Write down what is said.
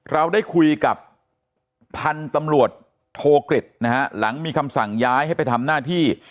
เราได้คุยกับพันธุ์ตำรวจโทกฤษนะฮะหลังมีคำสั่งย้ายให้ไปทำหน้าที่